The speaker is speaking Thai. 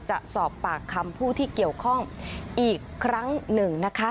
จะสอบปากคำผู้ที่เกี่ยวข้องอีกครั้งหนึ่งนะคะ